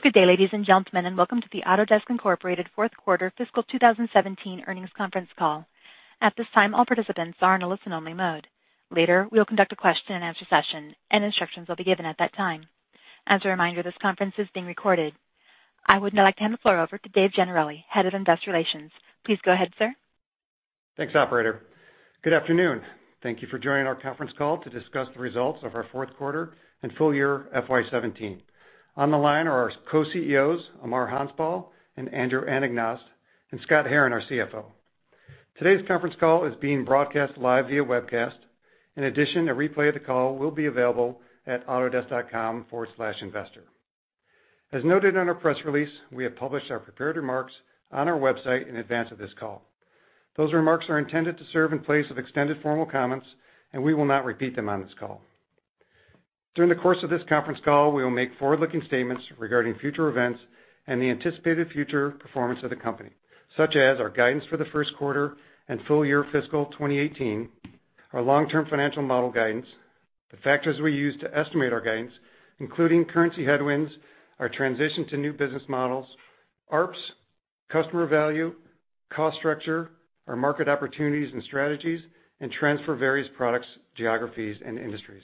Good day, ladies and gentlemen, and welcome to the Autodesk, Inc. fourth quarter fiscal 2017 earnings conference call. At this time, all participants are in a listen-only mode. Later, we will conduct a question-and-answer session, and instructions will be given at that time. As a reminder, this conference is being recorded. I would now like to hand the floor over to Dave Gennarelli, Head of Investor Relations. Please go ahead, sir. Thanks, operator. Good afternoon. Thank you for joining our conference call to discuss the results of our fourth quarter and full year FY 2017. On the line are our co-CEOs, Amar Hanspal and Andrew Anagnost, and Scott Herren, our CFO. Today's conference call is being broadcast live via webcast. In addition, a replay of the call will be available at autodesk.com/investor. As noted in our press release, we have published our prepared remarks on our website in advance of this call. Those remarks are intended to serve in place of extended formal comments, and we will not repeat them on this call. During the course of this conference call, we will make forward-looking statements regarding future events and the anticipated future performance of the company, such as our guidance for the first quarter and full year fiscal 2018, our long-term financial model guidance, the factors we use to estimate our guidance, including currency headwinds, our transition to new business models, ARPS, customer value, cost structure, our market opportunities and strategies, and trends for various products, geographies, and industries.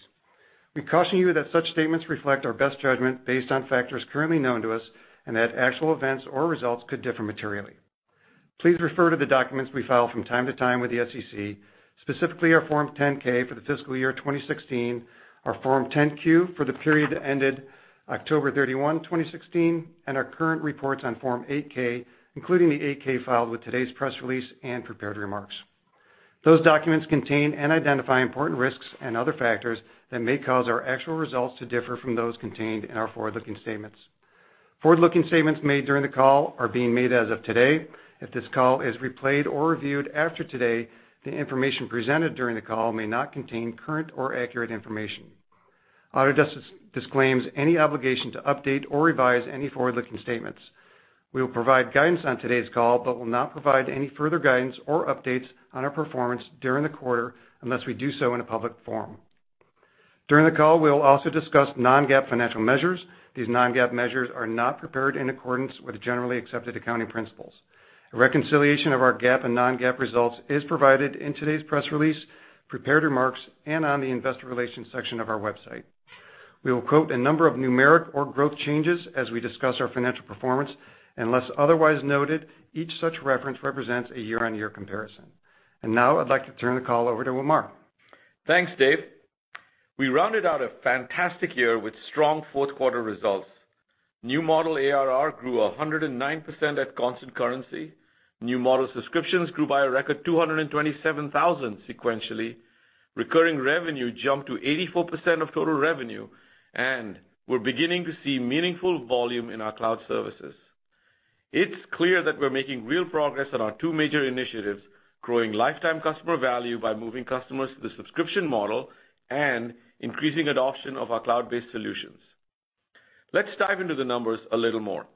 We caution you that such statements reflect our best judgment based on factors currently known to us and that actual events or results could differ materially. Please refer to the documents we file from time to time with the SEC, specifically our Form 10-K for the fiscal year 2016, our Form 10-Q for the period that ended October 31, 2016, and our current reports on Form 8-K, including the 8-K filed with today's press release and prepared remarks. Those documents contain and identify important risks and other factors that may cause our actual results to differ from those contained in our forward-looking statements. Forward-looking statements made during the call are being made as of today. If this call is replayed or reviewed after today, the information presented during the call may not contain current or accurate information. Autodesk disclaims any obligation to update or revise any forward-looking statements. We will provide guidance on today's call but will not provide any further guidance or updates on our performance during the quarter unless we do so in a public forum. During the call, we will also discuss non-GAAP financial measures. These non-GAAP measures are not prepared in accordance with GAAP. A reconciliation of our GAAP and non-GAAP results is provided in today's press release, prepared remarks, and on the investor relations section of our website. We will quote a number of numeric or growth changes as we discuss our financial performance. Unless otherwise noted, each such reference represents a year-over-year comparison. Now I'd like to turn the call over to Amar. Thanks, Dave. We rounded out a fantastic year with strong fourth-quarter results. New model ARR grew 109% at constant currency. New model subscriptions grew by a record 227,000 sequentially. Recurring revenue jumped to 84% of total revenue, and we're beginning to see meaningful volume in our cloud services. It's clear that we're making real progress on our two major initiatives, growing lifetime customer value by moving customers to the subscription model and increasing adoption of our cloud-based solutions. Let's dive into the numbers a little more.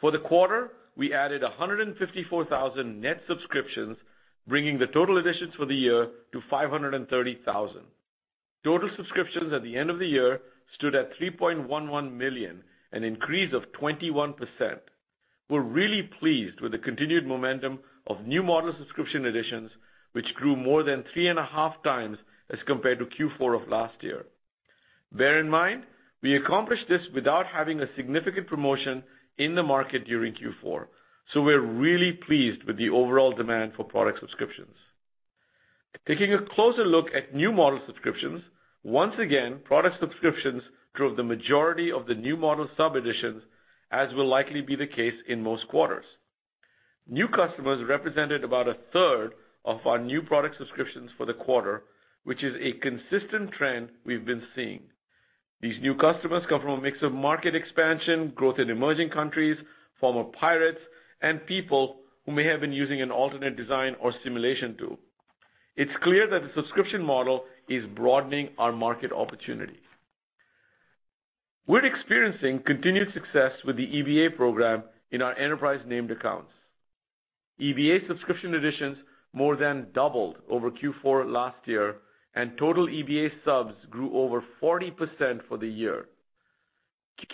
For the quarter, we added 154,000 net subscriptions, bringing the total additions for the year to 530,000. Total subscriptions at the end of the year stood at 3.11 million, an increase of 21%. We're really pleased with the continued momentum of new model subscription additions, which grew more than three and a half times as compared to Q4 of last year. Bear in mind, we accomplished this without having a significant promotion in the market during Q4. We're really pleased with the overall demand for product subscriptions. Taking a closer look at new model subscriptions, once again, product subscriptions drove the majority of the new model sub additions, as will likely be the case in most quarters. New customers represented about a third of our new product subscriptions for the quarter, which is a consistent trend we've been seeing. These new customers come from a mix of market expansion, growth in emerging countries, former pirates, and people who may have been using an alternate design or simulation tool. It's clear that the subscription model is broadening our market opportunity. We're experiencing continued success with the EBA program in our enterprise named accounts. EBA subscription additions more than doubled over Q4 last year, total EBA subs grew over 40% for the year.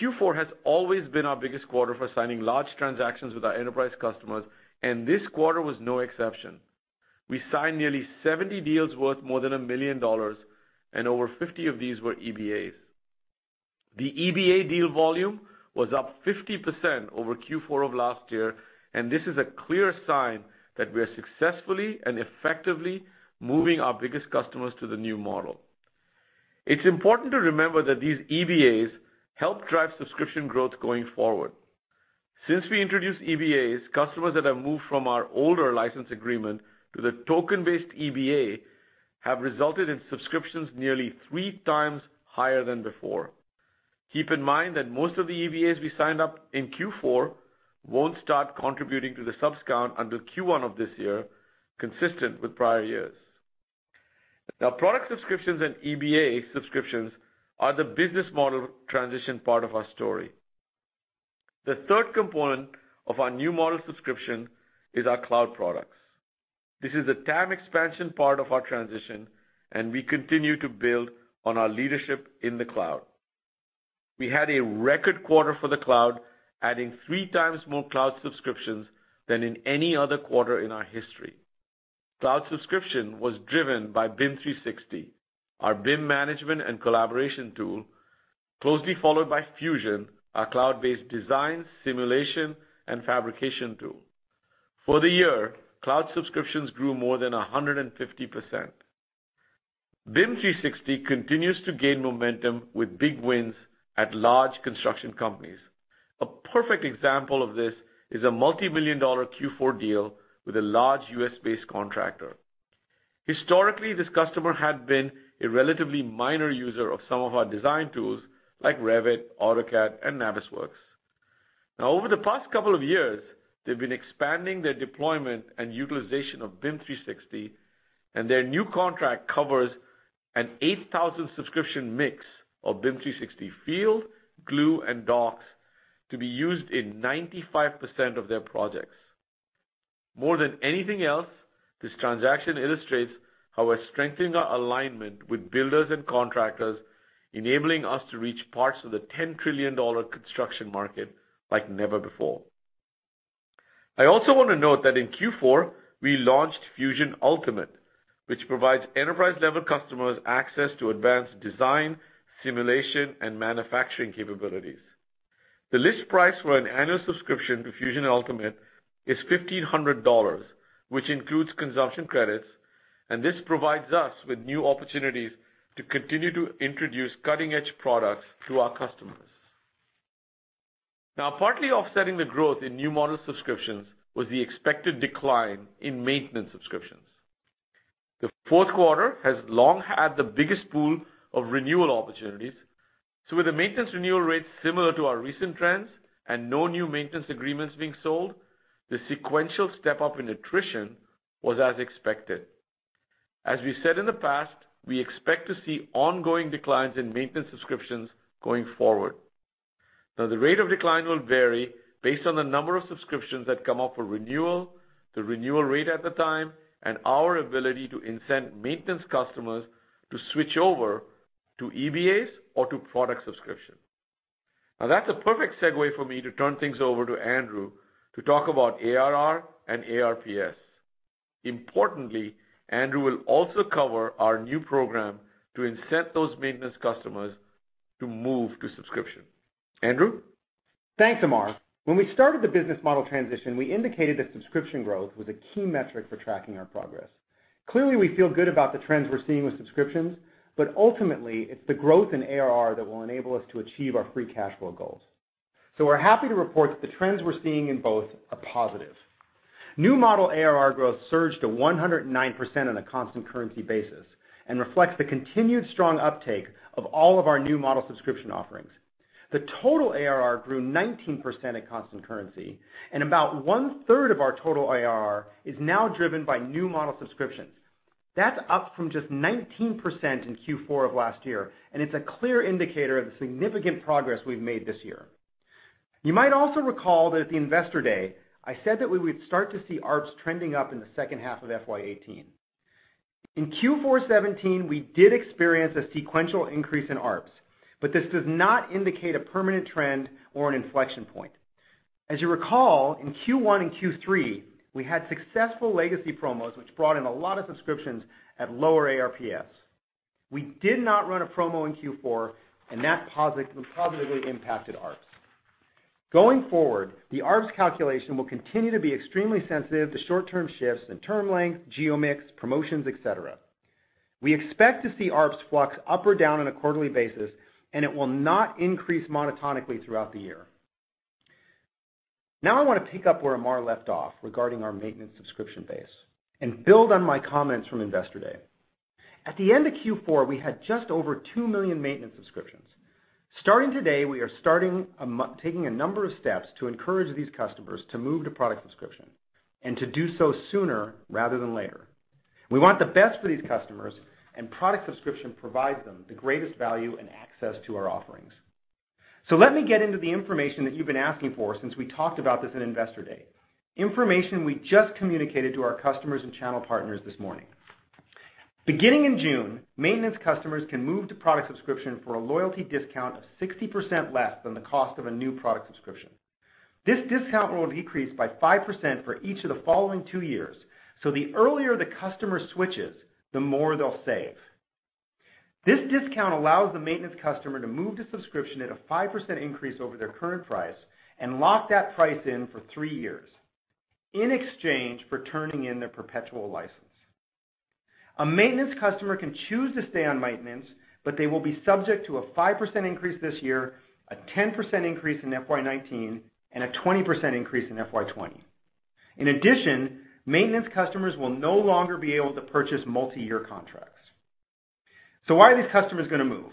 Q4 has always been our biggest quarter for signing large transactions with our enterprise customers, this quarter was no exception. We signed nearly 70 deals worth more than $1 million, over 50 of these were EBAs. The EBA deal volume was up 50% over Q4 of last year, this is a clear sign that we are successfully and effectively moving our biggest customers to the new model. It's important to remember that these EBAs help drive subscription growth going forward. Since we introduced EBAs, customers that have moved from our older license agreement to the token-based EBA have resulted in subscriptions nearly three times higher than before. Keep in mind that most of the EBAs we signed up in Q4 won't start contributing to the subs count until Q1 of this year, consistent with prior years. Product subscriptions and EBA subscriptions are the business model transition part of our story. The third component of our new model subscription is our cloud products. This is a TAM expansion part of our transition, and we continue to build on our leadership in the cloud. We had a record quarter for the cloud, adding three times more cloud subscriptions than in any other quarter in our history. Cloud subscription was driven by BIM 360, our BIM management and collaboration tool, closely followed by Fusion, our cloud-based design, simulation, and fabrication tool. For the year, cloud subscriptions grew more than 150%. BIM 360 continues to gain momentum with big wins at large construction companies. A perfect example of this is a multimillion-dollar Q4 deal with a large U.S.-based contractor. Historically, this customer had been a relatively minor user of some of our design tools like Revit, AutoCAD, and Navisworks. Over the past couple of years, they've been expanding their deployment and utilization of BIM 360, and their new contract covers an 8,000 subscription mix of BIM 360 Field, Glue, and Docs to be used in 95% of their projects. More than anything else, this transaction illustrates how we're strengthening our alignment with builders and contractors, enabling us to reach parts of the $10 trillion construction market like never before. I also want to note that in Q4, we launched Fusion Ultimate, which provides enterprise-level customers access to advanced design, simulation, and manufacturing capabilities. The list price for an annual subscription to Fusion Ultimate is $1,500, which includes consumption credits, and this provides us with new opportunities to continue to introduce cutting-edge products to our customers. Partly offsetting the growth in new model subscriptions was the expected decline in maintenance subscriptions. The fourth quarter has long had the biggest pool of renewal opportunities, so with the maintenance renewal rates similar to our recent trends and no new maintenance agreements being sold, the sequential step-up in attrition was as expected. As we said in the past, we expect to see ongoing declines in maintenance subscriptions going forward. The rate of decline will vary based on the number of subscriptions that come up for renewal, the renewal rate at the time, and our ability to incent maintenance customers to switch over to EBAs or to product subscription. That's a perfect segue for me to turn things over to Andrew to talk about ARR and ARPS. Importantly, Andrew will also cover our new program to incent those maintenance customers to move to subscription. Andrew? Thanks, Amar. When we started the business model transition, we indicated that subscription growth was a key metric for tracking our progress. Clearly, we feel good about the trends we're seeing with subscriptions, ultimately, it's the growth in ARR that will enable us to achieve our free cash flow goals. We're happy to report that the trends we're seeing in both are positive. New model ARR growth surged to 109% on a constant currency basis and reflects the continued strong uptake of all of our new model subscription offerings. The total ARR grew 19% at constant currency and about one-third of our total ARR is now driven by new model subscriptions. That's up from just 19% in Q4 of last year, it's a clear indicator of the significant progress we've made this year. You might also recall that at the Investor Day, I said that we would start to see ARPS trending up in the second half of FY 2018. In Q4 2017, we did experience a sequential increase in ARPS, this does not indicate a permanent trend or an inflection point. As you recall, in Q1 and Q3, we had successful legacy promos, which brought in a lot of subscriptions at lower ARPS. We did not run a promo in Q4, that positively impacted ARPS. Going forward, the ARPS calculation will continue to be extremely sensitive to short-term shifts in term length, geo mix, promotions, et cetera. We expect to see ARPS flux up or down on a quarterly basis, it will not increase monotonically throughout the year. I want to pick up where Amar left off regarding our maintenance subscription base and build on my comments from Investor Day. At the end of Q4, we had just over 2 million maintenance subscriptions. Starting today, we are taking a number of steps to encourage these customers to move to product subscription and to do so sooner rather than later. We want the best for these customers and product subscription provides them the greatest value and access to our offerings. Let me get into the information that you've been asking for since we talked about this at Investor Day, information we just communicated to our customers and channel partners this morning. Beginning in June, maintenance customers can move to product subscription for a loyalty discount of 60% less than the cost of a new product subscription. This discount will decrease by 5% for each of the following 2 years. The earlier the customer switches, the more they'll save. This discount allows the maintenance customer to move to subscription at a 5% increase over their current price and lock that price in for 3 years in exchange for turning in their perpetual license. A maintenance customer can choose to stay on maintenance, they will be subject to a 5% increase this year, a 10% increase in FY 2019, and a 20% increase in FY 2020. In addition, maintenance customers will no longer be able to purchase multi-year contracts. Why are these customers going to move?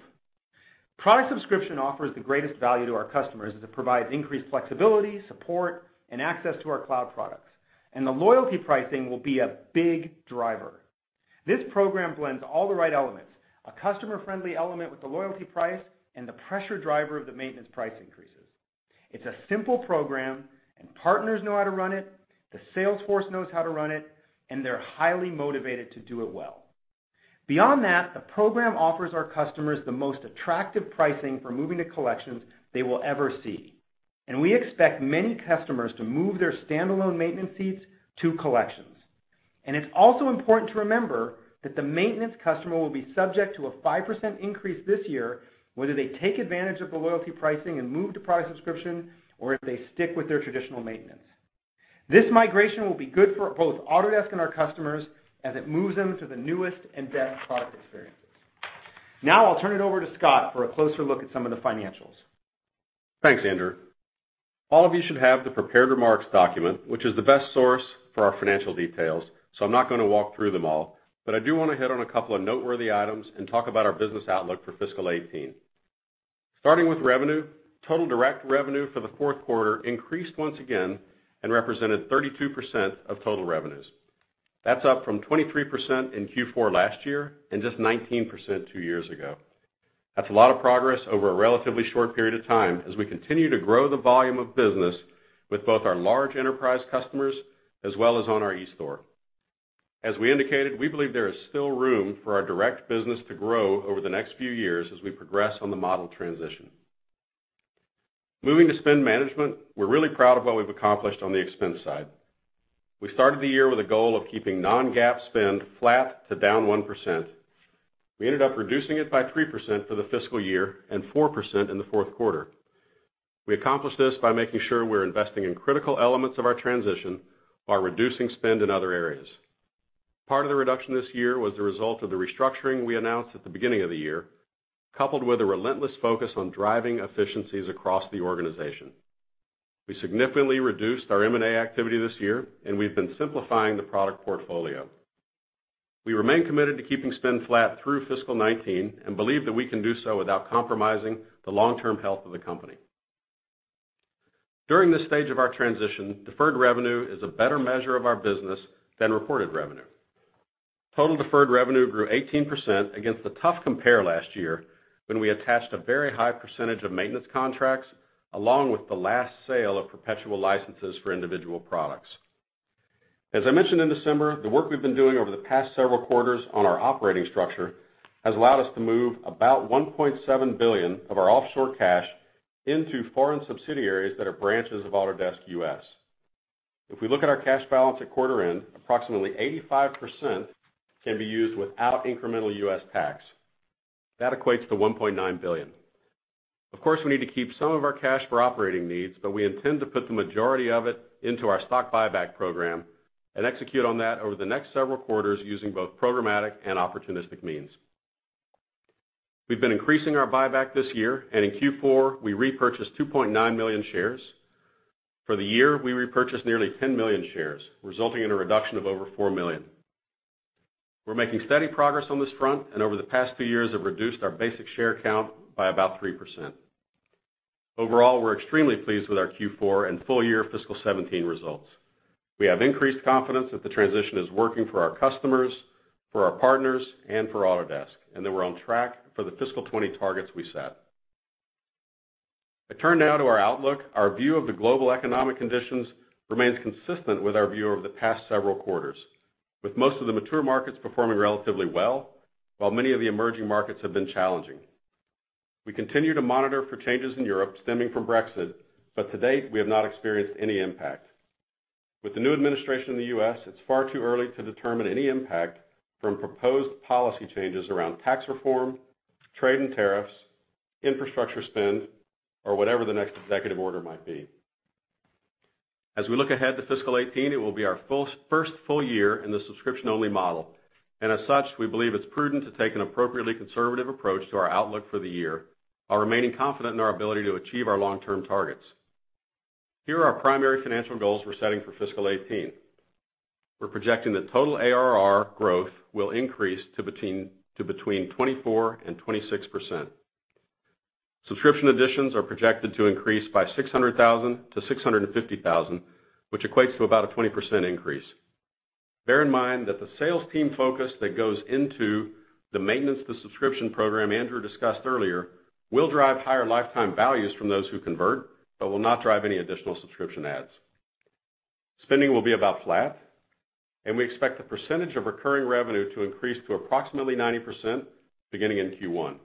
Product subscription offers the greatest value to our customers as it provides increased flexibility, support, and access to our cloud products, the loyalty pricing will be a big driver. This program blends all the right elements, a customer-friendly element with the loyalty price and the pressure driver of the maintenance price increases. It's a simple program, partners know how to run it, the sales force knows how to run it, and they're highly motivated to do it well. Beyond that, the program offers our customers the most attractive pricing for moving to collections they will ever see. We expect many customers to move their standalone maintenance seats to collections. It's also important to remember that the maintenance customer will be subject to a 5% increase this year, whether they take advantage of the loyalty pricing and move to product subscription or if they stick with their traditional maintenance. This migration will be good for both Autodesk and our customers as it moves them to the newest and best product experiences. Now I'll turn it over to Scott for a closer look at some of the financials. Thanks, Andrew. All of you should have the prepared remarks document, which is the best source for our financial details. I'm not going to walk through them all, but I do want to hit on a couple of noteworthy items and talk about our business outlook for fiscal 2018. Starting with revenue, total direct revenue for the fourth quarter increased once again and represented 32% of total revenues. That's up from 23% in Q4 last year and just 19% two years ago. That's a lot of progress over a relatively short period of time as we continue to grow the volume of business with both our large enterprise customers as well as on our eStore. As we indicated, we believe there is still room for our direct business to grow over the next few years as we progress on the model transition. Moving to spend management, we're really proud of what we've accomplished on the expense side. We started the year with a goal of keeping non-GAAP spend flat to down 1%. We ended up reducing it by 3% for the fiscal year and 4% in the fourth quarter. We accomplished this by making sure we're investing in critical elements of our transition while reducing spend in other areas. Part of the reduction this year was the result of the restructuring we announced at the beginning of the year, coupled with a relentless focus on driving efficiencies across the organization. We significantly reduced our M&A activity this year. We've been simplifying the product portfolio. We remain committed to keeping spend flat through fiscal 2019 and believe that we can do so without compromising the long-term health of the company. During this stage of our transition, deferred revenue is a better measure of our business than reported revenue. Total deferred revenue grew 18% against the tough compare last year when we attached a very high percentage of maintenance contracts, along with the last sale of perpetual licenses for individual products. As I mentioned in December, the work we've been doing over the past several quarters on our operating structure has allowed us to move about $1.7 billion of our offshore cash into foreign subsidiaries that are branches of Autodesk U.S. If we look at our cash balance at quarter end, approximately 85% can be used without incremental U.S. tax. That equates to $1.9 billion. Of course, we need to keep some of our cash for operating needs, we intend to put the majority of it into our stock buyback program and execute on that over the next several quarters using both programmatic and opportunistic means. We've been increasing our buyback this year, and in Q4, we repurchased 2.9 million shares. For the year, we repurchased nearly 10 million shares, resulting in a reduction of over four million. We're making steady progress on this front, and over the past few years have reduced our basic share count by about 3%. Overall, we're extremely pleased with our Q4 and full-year fiscal 2017 results. We have increased confidence that the transition is working for our customers, for our partners, and for Autodesk, and that we're on track for the fiscal 2020 targets we set. I turn now to our outlook. Our view of the global economic conditions remains consistent with our view over the past several quarters, with most of the mature markets performing relatively well, while many of the emerging markets have been challenging. We continue to monitor for changes in Europe stemming from Brexit, but to date, we have not experienced any impact. With the new administration in the U.S., it's far too early to determine any impact from proposed policy changes around tax reform, trade and tariffs, infrastructure spend, or whatever the next executive order might be. As we look ahead to fiscal 2018, it will be our first full year in the subscription-only model, as such, we believe it's prudent to take an appropriately conservative approach to our outlook for the year, while remaining confident in our ability to achieve our long-term targets. Here are our primary financial goals we're setting for fiscal 2018. We're projecting that total ARR growth will increase to between 24% and 26%. Subscription additions are projected to increase by 600,000 to 650,000, which equates to about a 20% increase. Bear in mind that the sales team focus that goes into the maintenance to subscription program Andrew discussed earlier will drive higher lifetime values from those who convert but will not drive any additional subscription adds. Spending will be about flat, we expect the percentage of recurring revenue to increase to approximately 90% beginning in Q1.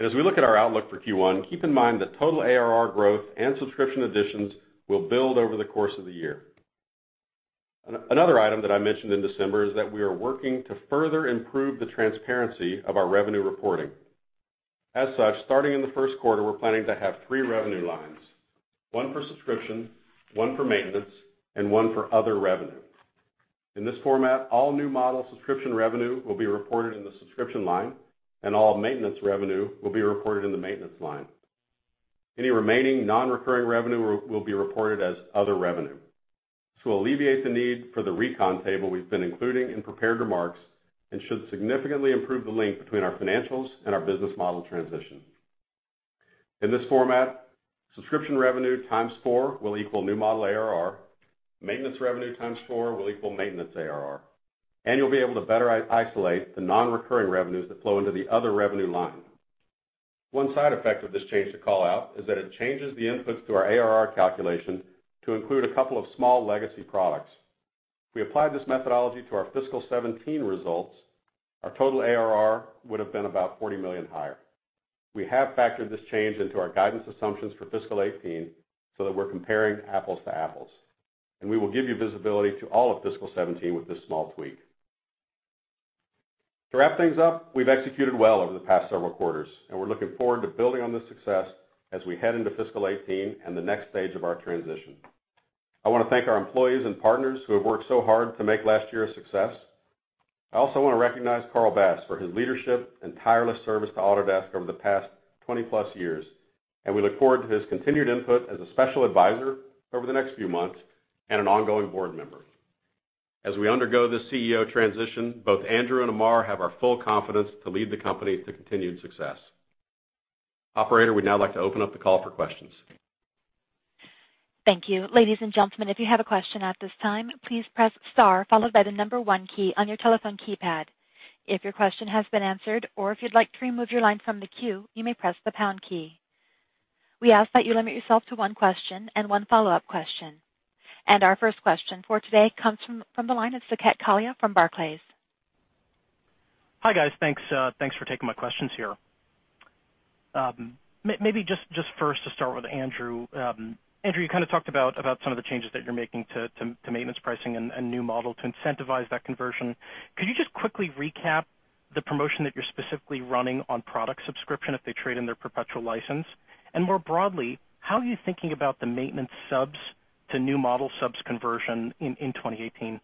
As we look at our outlook for Q1, keep in mind that total ARR growth and subscription additions will build over the course of the year. Another item that I mentioned in December is that we are working to further improve the transparency of our revenue reporting. As such, starting in the first quarter, we're planning to have three revenue lines, one for subscription, one for maintenance, and one for other revenue. In this format, all new model subscription revenue will be reported in the subscription line, and all maintenance revenue will be reported in the maintenance line. Any remaining non-recurring revenue will be reported as other revenue. This will alleviate the need for the recon table we've been including in prepared remarks and should significantly improve the link between our financials and our business model transition. In this format, subscription revenue times four will equal new model ARR, maintenance revenue times four will equal maintenance ARR, and you'll be able to better isolate the non-recurring revenues that flow into the other revenue line. One side effect of this change to call out is that it changes the inputs to our ARR calculation to include a couple of small legacy products. If we applied this methodology to our fiscal 2017 results, our total ARR would have been about $40 million higher. We have factored this change into our guidance assumptions for fiscal 2018, so that we're comparing apples to apples. We will give you visibility to all of fiscal 2017 with this small tweak. To wrap things up, we've executed well over the past several quarters, and we're looking forward to building on this success as we head into fiscal 2018 and the next stage of our transition. I want to thank our employees and partners who have worked so hard to make last year a success. I also want to recognize Carl Bass for his leadership and tireless service to Autodesk over the past 20-plus years, and we look forward to his continued input as a special advisor over the next few months and an ongoing board member. As we undergo this CEO transition, both Andrew and Amar have our full confidence to lead the company to continued success. Operator, we'd now like to open up the call for questions. Thank you. Ladies and gentlemen, if you have a question at this time, please press star followed by the number 1 key on your telephone keypad. If your question has been answered or if you'd like to remove your line from the queue, you may press the pound key. We ask that you limit yourself to one question and one follow-up question. Our first question for today comes from the line of Saket Kalia from Barclays. Hi, guys. Thanks for taking my questions here. Maybe just first to start with Andrew. Andrew, you talked about some of the changes that you're making to maintenance pricing and new model to incentivize that conversion. Could you just quickly recap the promotion that you're specifically running on product subscription if they trade in their perpetual license? More broadly, how are you thinking about the maintenance subs to new model subs conversion in 2018?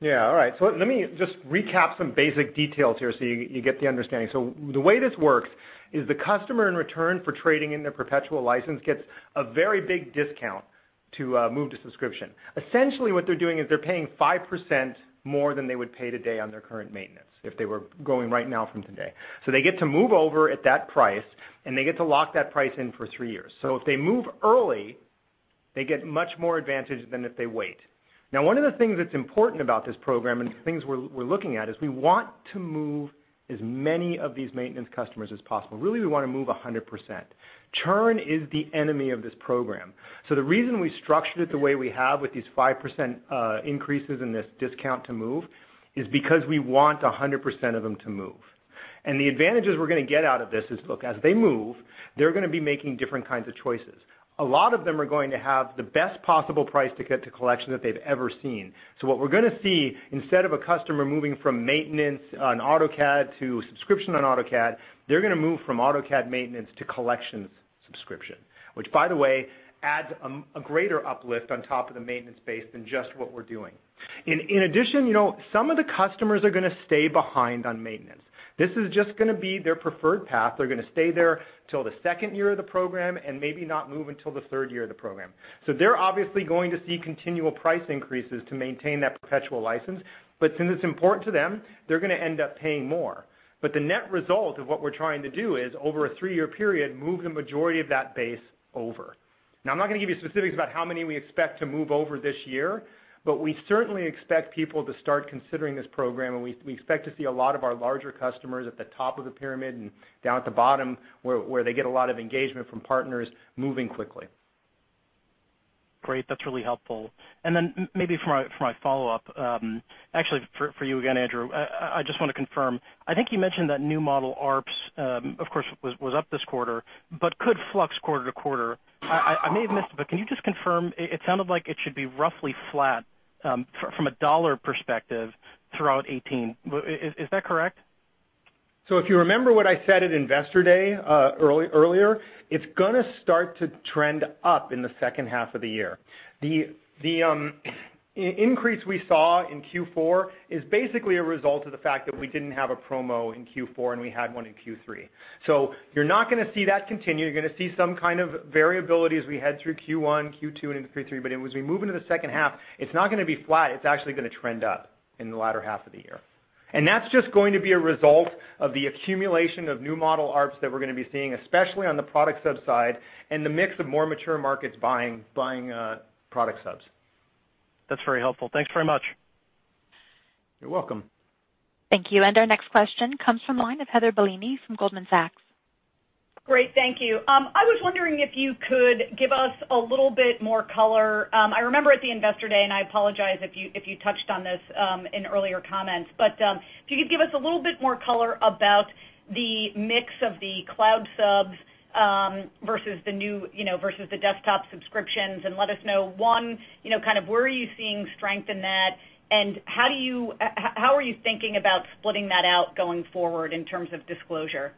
Yeah. All right. Let me just recap some basic details here so you get the understanding. The way this works is the customer, in return for trading in their perpetual license, gets a very big discount to move to subscription. Essentially, what they're doing is they're paying 5% more than they would pay today on their current maintenance if they were going right now from today. They get to move over at that price, and they get to lock that price in for three years. If they move early, they get much more advantage than if they wait. One of the things that's important about this program and things we're looking at is we want to move as many of these maintenance customers as possible. Really, we want to move 100%. Churn is the enemy of this program. The reason we structured it the way we have with these 5% increases in this discount to move is because we want 100% of them to move. The advantages we're going to get out of this is, look, as they move, they're going to be making different kinds of choices. A lot of them are going to have the best possible price to get to Collection that they've ever seen. What we're going to see, instead of a customer moving from maintenance on AutoCAD to subscription on AutoCAD, they're going to move from AutoCAD maintenance to Collections subscription, which, by the way, adds a greater uplift on top of the maintenance base than just what we're doing. In addition, some of the customers are going to stay behind on maintenance. This is just going to be their preferred path. They're going to stay there till the second year of the program and maybe not move until the third year of the program. They're obviously going to see continual price increases to maintain that perpetual license. But since it's important to them, they're going to end up paying more. The net result of what we're trying to do is, over a three-year period, move the majority of that base over. I'm not going to give you specifics about how many we expect to move over this year, but we certainly expect people to start considering this program, and we expect to see a lot of our larger customers at the top of the pyramid and down at the bottom, where they get a lot of engagement from partners, moving quickly. Great. That's really helpful. Maybe for my follow-up, actually for you again, Andrew, I just want to confirm, I think you mentioned that new model ARPS, of course, was up this quarter, but could flux quarter-to-quarter. I may have missed it, but can you just confirm? It sounded like it should be roughly flat from a dollar perspective throughout 2018. Is that correct? If you remember what I said at Investor Day earlier, it's going to start to trend up in the second half of the year. The increase we saw in Q4 is basically a result of the fact that we didn't have a promo in Q4, and we had one in Q3. You're not going to see that continue. You're going to see some kind of variability as we head through Q1, Q2, and into Q3. As we move into the second half, it's not going to be flat, it's actually going to trend up in the latter half of the year. That's just going to be a result of the accumulation of new model ARPS that we're going to be seeing, especially on the product sub side and the mix of more mature markets buying product subs. That's very helpful. Thanks very much. You're welcome. Thank you. Our next question comes from the line of Heather Bellini from Goldman Sachs. Great. Thank you. I was wondering if you could give us a little bit more color. I remember at the Investor Day, and I apologize if you touched on this in earlier comments, but if you could give us a little bit more color about the mix of the cloud subs versus the desktop subscriptions and let us know, one, where are you seeing strength in that, and how are you thinking about splitting that out going forward in terms of disclosure?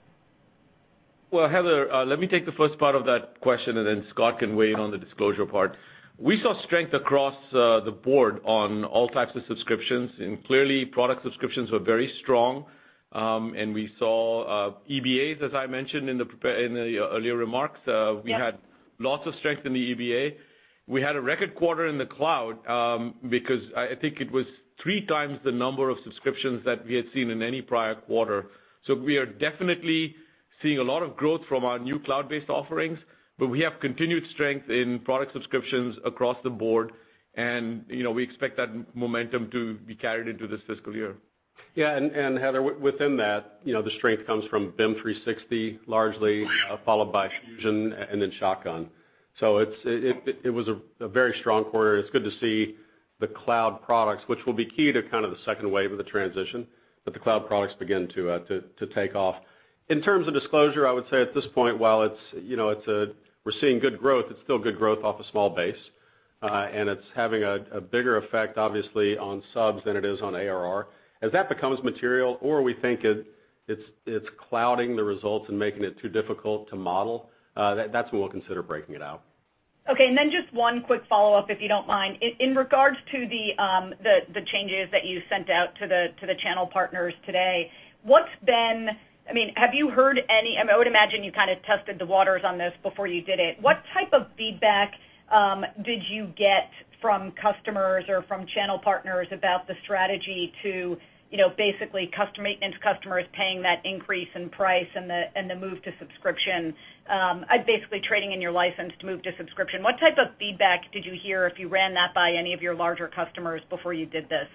Well, Heather, let me take the first part of that question, and then Scott can weigh in on the disclosure part. We saw strength across the board on all types of subscriptions, and clearly, product subscriptions were very strong. We saw EBAs, as I mentioned in the earlier remarks. Yep. We had lots of strength in the EBA. We had a record quarter in the cloud, because I think it was three times the number of subscriptions that we had seen in any prior quarter. We are definitely Seeing a lot of growth from our new cloud-based offerings, we have continued strength in product subscriptions across the board, we expect that momentum to be carried into this fiscal year. Yeah. Heather, within that, the strength comes from BIM 360, largely followed by Fusion, then Shotgun. It was a very strong quarter, it's good to see the cloud products, which will be key to kind of the second wave of the transition, the cloud products begin to take off. In terms of disclosure, I would say at this point, while we're seeing good growth, it's still good growth off a small base. It's having a bigger effect, obviously, on subs than it is on ARR. As that becomes material or we think it's clouding the results and making it too difficult to model, that's when we'll consider breaking it out. Okay. Then just one quick follow-up, if you don't mind. In regards to the changes that you sent out to the channel partners today, I would imagine you kind of tested the waters on this before you did it. What type of feedback did you get from customers or from channel partners about the strategy to basically maintenance customers paying that increase in price and the move to subscription, basically trading in your license to move to subscription. What type of feedback did you hear if you ran that by any of your larger customers before you did this?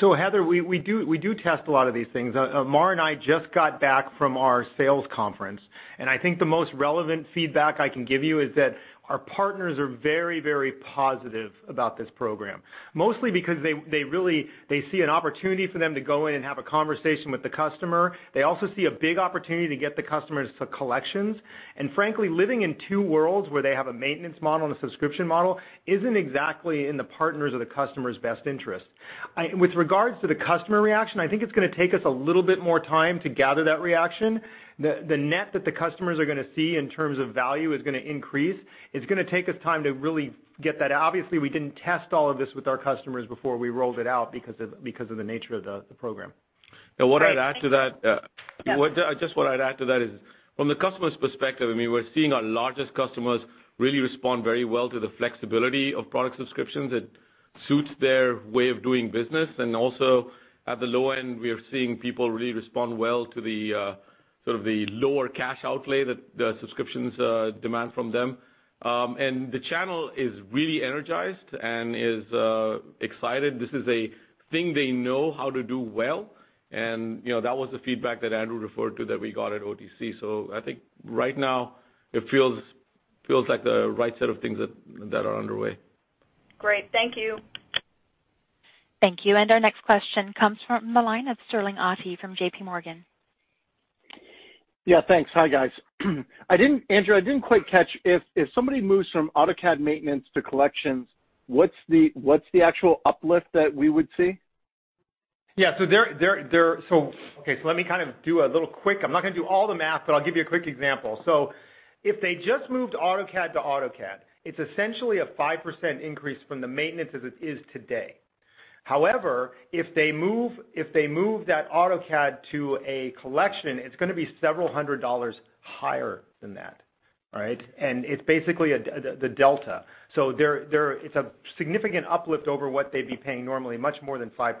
Heather, we do test a lot of these things. Amar and I just got back from our sales conference, I think the most relevant feedback I can give you is that our partners are very positive about this program. Mostly because they see an opportunity for them to go in and have a conversation with the customer. They also see a big opportunity to get the customers to collections. Frankly, living in two worlds where they have a maintenance model and a subscription model isn't exactly in the partners' or the customers' best interest. With regards to the customer reaction, I think it's going to take us a little bit more time to gather that reaction. The net that the customers are going to see in terms of value is going to increase. It's going to take us time to really get that. Obviously, we didn't test all of this with our customers before we rolled it out because of the nature of the program. Great. Thank you. Just what I'd add to that is, from the customer's perspective, we're seeing our largest customers really respond very well to the flexibility of product subscriptions. It suits their way of doing business. Also, at the low end, we are seeing people really respond well to the sort of the lower cash outlay that the subscriptions demand from them. The channel is really energized and is excited. This is a thing they know how to do well, and that was the feedback that Andrew referred to that we got at OTC. I think right now it feels like the right set of things that are underway. Great. Thank you. Thank you. Our next question comes from the line of Sterling Auty from JPMorgan. Yeah, thanks. Hi, guys. Andrew, I didn't quite catch. If somebody moves from AutoCAD maintenance to collections, what's the actual uplift that we would see? Yeah. Okay, let me kind of do a little quick I'm not going to do all the math, but I'll give you a quick example. If they just moved AutoCAD to AutoCAD, it's essentially a 5% increase from the maintenance as it is today. However, if they move that AutoCAD to a collection, it's going to be $several hundred higher than that. All right? It's basically the delta. It's a significant uplift over what they'd be paying normally, much more than 5%.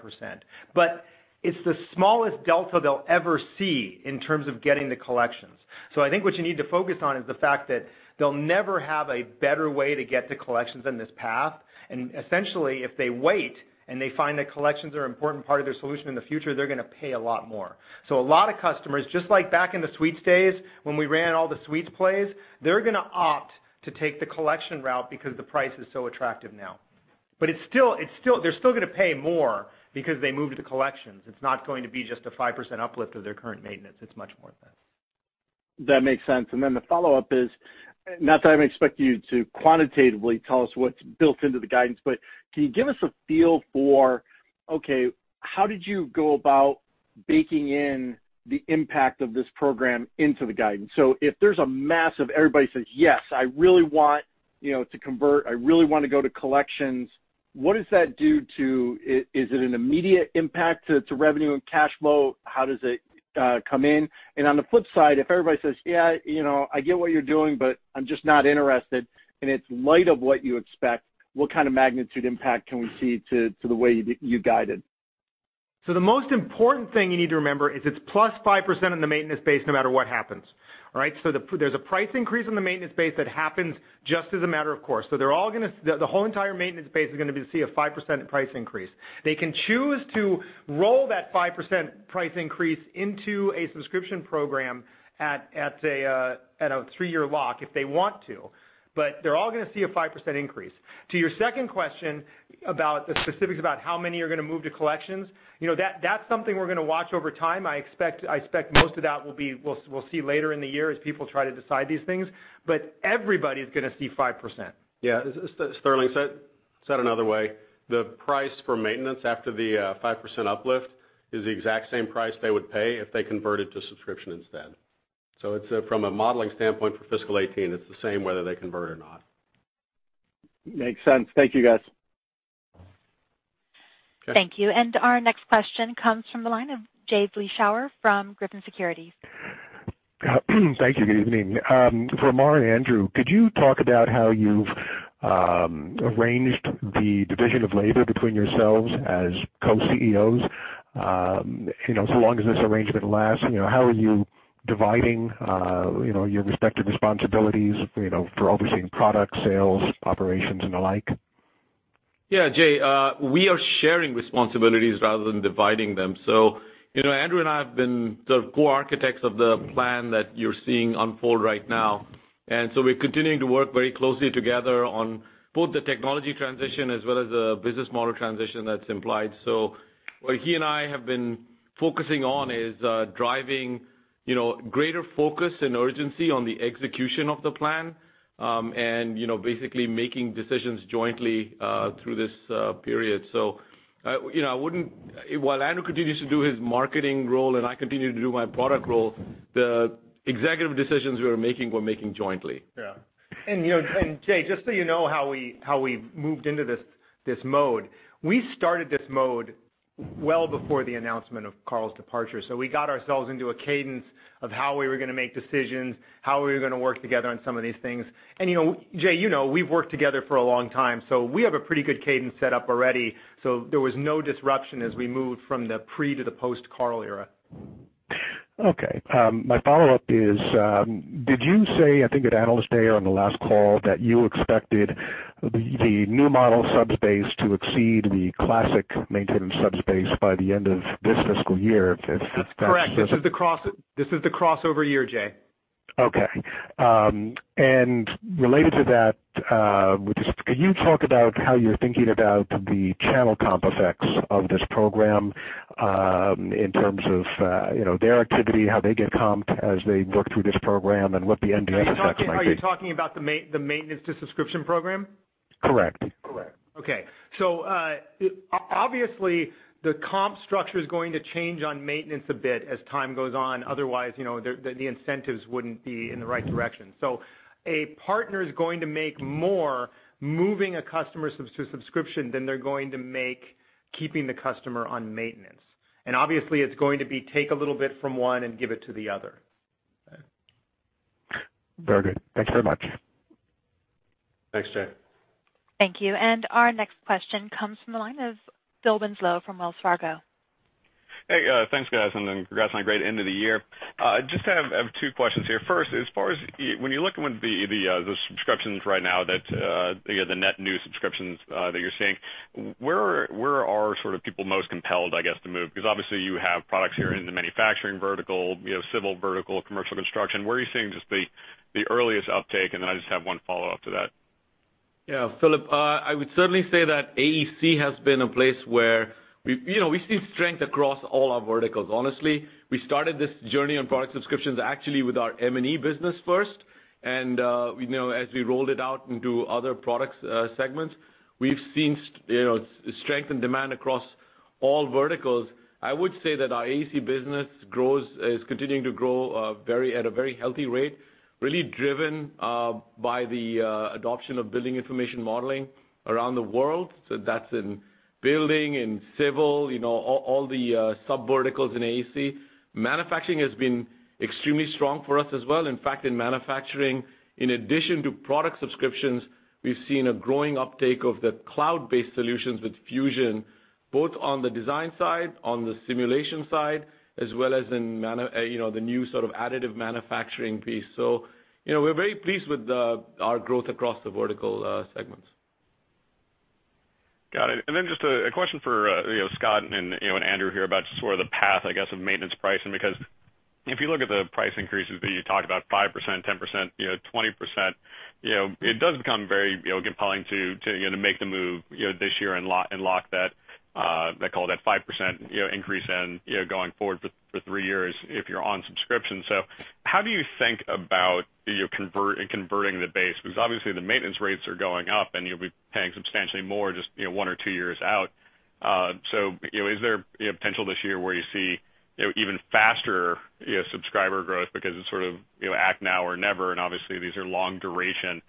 It's the smallest delta they'll ever see in terms of getting the collections. I think what you need to focus on is the fact that they'll never have a better way to get the collections than this path. Essentially, if they wait and they find that collections are an important part of their solution in the future, they're going to pay a lot more. A lot of customers, just like back in the suites days when we ran all the suites plays, they're going to opt to take the collection route because the price is so attractive now. They're still going to pay more because they moved to collections. It's not going to be just a 5% uplift of their current maintenance. It's much more than that. That makes sense. The follow-up is, not that I'm expecting you to quantitatively tell us what's built into the guidance, but can you give us a feel for, okay, how did you go about baking in the impact of this program into the guidance? If there's a massive, everybody says, "Yes, I really want to convert, I really want to go to collections," Is it an immediate impact to revenue and cash flow? How does it come in? On the flip side, if everybody says, "Yeah, I get what you're doing, but I'm just not interested," and it's in light of what you expect, what kind of magnitude impact can we see to the way you guided? The most important thing you need to remember is it's +5% on the maintenance base no matter what happens. All right? There's a price increase on the maintenance base that happens just as a matter of course. The whole entire maintenance base is going to see a 5% price increase. They can choose to roll that 5% price increase into a subscription program at a three-year lock if they want to, but they're all going to see a 5% increase. To your second question about the specifics about how many are going to move to collections, that's something we're going to watch over time. I expect most of that we'll see later in the year as people try to decide these things, but everybody's going to see 5%. Yeah. Sterling, said another way, the price for maintenance after the 5% uplift is the exact same price they would pay if they converted to subscription instead. From a modeling standpoint for FY 2018, it's the same whether they convert or not. Makes sense. Thank you, guys. Thank you. Our next question comes from the line of Jay Vleeschhouwer from Griffin Securities. Thank you. Good evening. For Amar and Andrew, could you talk about how you've arranged the division of labor between yourselves as co-CEOs? So long as this arrangement lasts, how are you dividing your respective responsibilities for overseeing product sales, operations, and the like? Jay, we are sharing responsibilities rather than dividing them. Andrew and I have been the co-architects of the plan that you're seeing unfold right now. We're continuing to work very closely together on both the technology transition as well as the business model transition that's implied. What he and I have been focusing on is driving greater focus and urgency on the execution of the plan, and basically making decisions jointly, through this period. While Andrew continues to do his marketing role and I continue to do my product role, the executive decisions we're making, we're making jointly. Jay, just so you know how we moved into this mode, we started this mode well before the announcement of Carl's departure. We got ourselves into a cadence of how we were going to make decisions, how we were going to work together on some of these things. Jay, you know we've worked together for a long time, so we have a pretty good cadence set up already. There was no disruption as we moved from the pre to the post-Carl era. Okay. My follow-up is, did you say, I think at Analyst Day or on the last call, that you expected the new model subs base to exceed the classic maintenance subs base by the end of this fiscal year? Correct. This is the crossover year, Jay. Okay. Related to that, can you talk about how you're thinking about the channel comp effects of this program, in terms of their activity, how they get comped as they work through this program, and what the end-year effects might be? Are you talking about the maintenance to subscription program? Correct. Correct. Okay. Obviously, the comp structure is going to change on maintenance a bit as time goes on. Otherwise, the incentives wouldn't be in the right direction. A partner is going to make more moving a customer to subscription than they're going to make keeping the customer on maintenance. Obviously, it's going to be take a little bit from one and give it to the other. Very good. Thanks very much. Thanks, Jay. Thank you. Our next question comes from the line of Philip Winslow from Wells Fargo. Hey, thanks, guys. Congrats on a great end of the year. I just have two questions here. First, when you look at the subscriptions right now, the net new subscriptions that you're seeing, where are people most compelled, I guess, to move? Because obviously you have products here in the manufacturing vertical, you have civil vertical, commercial construction. Where are you seeing just the earliest uptake? I just have one follow-up to that. Yeah. Philip, I would certainly say that AEC has been a place where we've seen strength across all our verticals, honestly. We started this journey on product subscriptions actually with our M&E business first. As we rolled it out into other product segments, we've seen strength in demand across all verticals. I would say that our AEC business is continuing to grow at a very healthy rate, really driven by the adoption of BIM around the world. That's in building, in civil, all the sub-verticals in AEC. Manufacturing has been extremely strong for us as well. In fact, in manufacturing, in addition to product subscriptions, we've seen a growing uptake of the cloud-based solutions with Fusion, both on the design side, on the simulation side, as well as in the new sort of additive manufacturing piece. We're very pleased with our growth across the vertical segments. Got it. I just have a question for Scott and Andrew here about sort of the path, I guess, of maintenance pricing, because if you look at the price increases that you talked about, 5%, 10%, 20%, it does become very compelling to make the move this year and lock that, call it that 5% increase in going forward for three years if you're on subscription. How do you think about converting the base? Because obviously the maintenance rates are going up and you'll be paying substantially more just one or two years out. Is there potential this year where you see even faster subscriber growth because it's sort of act now or never, and obviously these are long-duration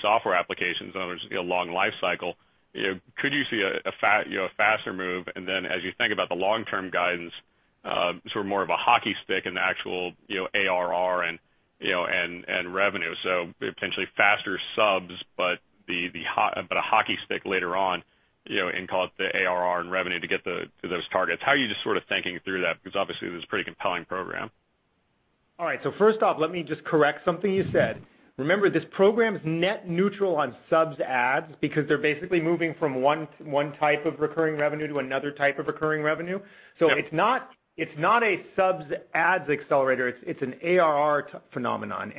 software applications, in other words, a long life cycle. Could you see a faster move? As you think about the long-term guidance, sort of more of a hockey stick in the actual ARR and revenue, potentially faster subs, but a hockey stick later on, and call it the ARR and revenue to get to those targets. How are you just sort of thinking through that? Obviously this is a pretty compelling program. First off, let me just correct something you said. Remember, this program is net neutral on subs adds because they're basically moving from one type of recurring revenue to another type of recurring revenue. Yeah. It's not a subs adds accelerator. It's an ARR phenomenon.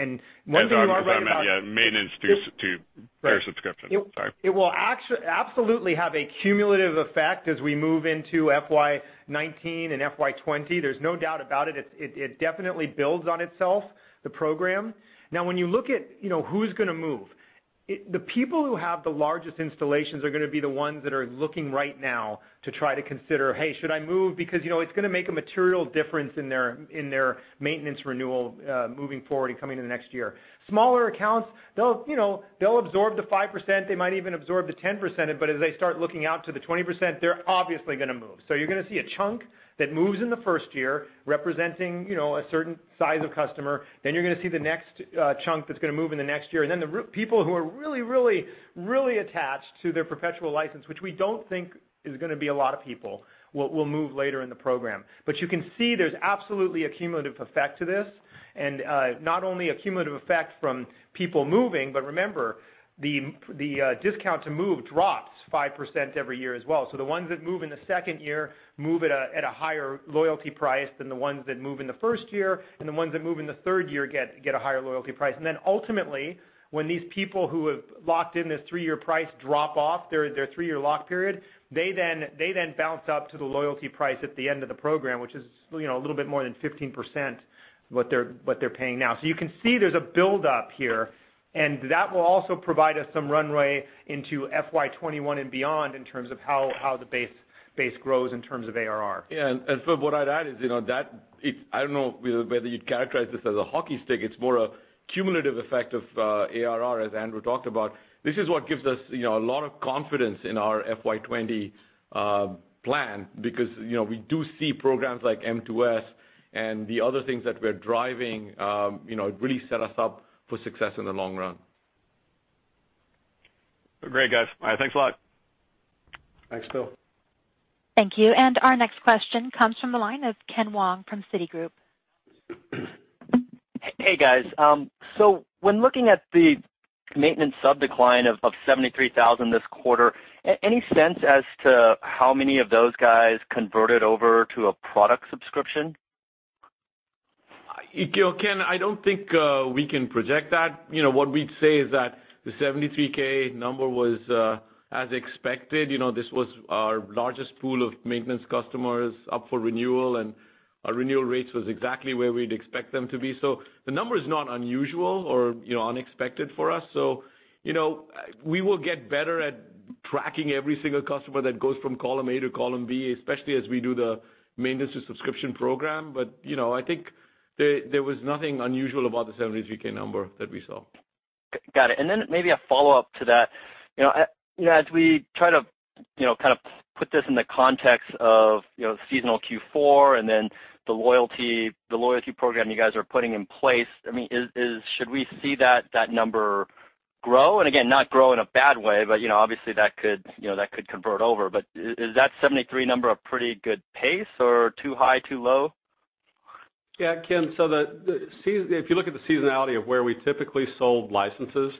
One thing you are right about. Maintenance to pure subscription. Sorry. It will absolutely have a cumulative effect as we move into FY 2019 and FY 2020. There's no doubt about it. It definitely builds on itself, the program. Now when you look at who's going to move, the people who have the largest installations are going to be the ones that are looking right now to try to consider, "Hey, should I move?" Because it's going to make a material difference in their maintenance renewal moving forward and coming into the next year. Smaller accounts, they'll absorb the 5%, they might even absorb the 10%, but as they start looking out to the 20%, they're obviously going to move. You're going to see a chunk that moves in the first year, representing a certain size of customer. You're going to see the next chunk that's going to move in the next year. The people who are really attached to their perpetual license, which we don't think is going to be a lot of people, will move later in the program. You can see there's absolutely a cumulative effect to this. Not only a cumulative effect from people moving, but remember, the discount to move drops 5% every year as well. The ones that move in the second year move at a higher loyalty price than the ones that move in the first year, the ones that move in the third year get a higher loyalty price. Ultimately, when these people who have locked in this three-year price drop off their three-year lock period, they then bounce up to the loyalty price at the end of the program, which is a little bit more than 15% what they're paying now. You can see there's a buildup here, and that will also provide us some runway into FY 2021 and beyond in terms of how the base grows in terms of ARR. Phil, what I'd add is, I don't know whether you'd characterize this as a hockey stick. It's more a cumulative effect of ARR, as Andrew talked about. This is what gives us a lot of confidence in our FY 2020 plan because we do see programs like M2S and the other things that we're driving really set us up for success in the long run. Great, guys. All right, thanks a lot. Thanks, Phil. Thank you. Our next question comes from the line of Ken Wong from Citigroup. Hey, guys. When looking at the maintenance sub decline of 73,000 this quarter, any sense as to how many of those guys converted over to a product subscription? Ken, I don't think we can project that. What we'd say is that the 73K number was as expected. This was our largest pool of maintenance customers up for renewal, and our renewal rates was exactly where we'd expect them to be. The number is not unusual or unexpected for us. We will get better at tracking every single customer that goes from column A to column B, especially as we do the maintenance to subscription program. I think there was nothing unusual about the 73K number that we saw. Got it. Maybe a follow-up to that. As we try to put this in the context of seasonal Q4 and then the loyalty program you guys are putting in place, should we see that number grow? Again, not grow in a bad way, but obviously that could convert over. Is that 73 number a pretty good pace or too high, too low? Yeah, Ken. If you look at the seasonality of where we typically sold licenses,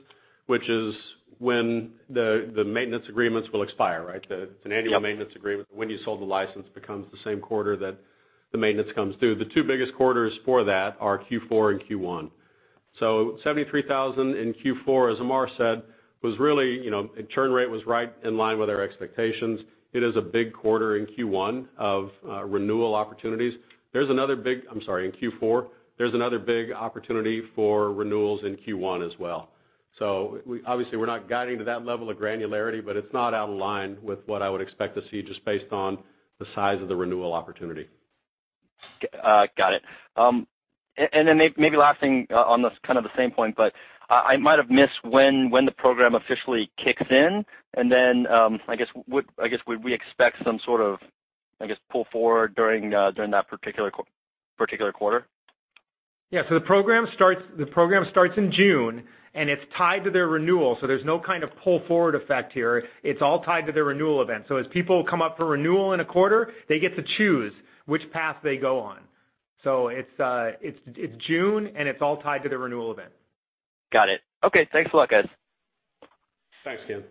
which is when the maintenance agreements will expire, right? Yep. It's an annual maintenance agreement. When you sold the license becomes the same quarter that the maintenance comes due. The two biggest quarters for that are Q4 and Q1. 73,000 in Q4, as Amar said, the churn rate was right in line with our expectations. It is a big quarter in Q4 of renewal opportunities. There's another big opportunity for renewals in Q1 as well. Obviously, we're not guiding to that level of granularity, but it's not out of line with what I would expect to see just based on the size of the renewal opportunity. Got it. Maybe last thing on this, kind of the same point, but I might have missed when the program officially kicks in, and then, I guess, would we expect some sort of pull forward during that particular quarter? Yeah. The program starts in June, and it's tied to their renewal, so there's no kind of pull-forward effect here. It's all tied to the renewal event. As people come up for renewal in a quarter, they get to choose which path they go on. It's June, and it's all tied to the renewal event. Got it. Okay, thanks a lot, guys. Thanks, Ken.